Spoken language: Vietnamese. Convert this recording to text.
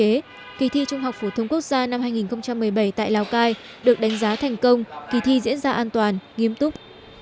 thực tế kỳ thi trung học phổ thông quốc gia năm hai nghìn một mươi bảy tại lào cai được đánh giá thành công kỳ thi diễn ra an toàn nghiêm túc